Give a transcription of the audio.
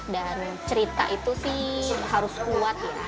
dan cerita itu harus kuat ya